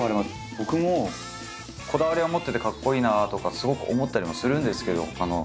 僕もこだわりは持っててかっこいいなあとかすごく思ったりもするんですけど。